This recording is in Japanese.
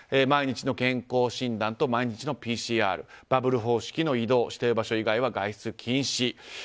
毎日の健康診断と毎日のＰＣＲ、バブル方式の移動指定場所以外は外出禁止。